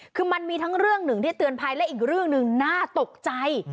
คือมันมีทั้งเรื่องหนึ่งที่เตือนภัยและอีกเรื่องหนึ่งน่าตกใจ